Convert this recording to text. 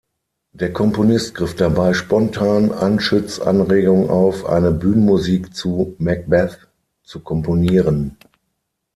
Der Komponist griff dabei spontan Anschütz’ Anregung auf, eine Bühnenmusik zu "Macbeth" zu komponieren.